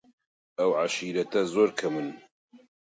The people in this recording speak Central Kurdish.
ئەو عەشیرەتە زۆر کەمن